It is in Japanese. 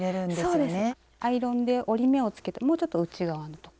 アイロンで折り目をつけたもうちょっと内側のとこ。